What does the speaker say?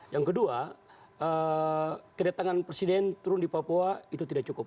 yang kedua kedatangan presiden turun di papua itu tidak cukup